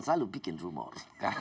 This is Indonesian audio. selalu bikin rumor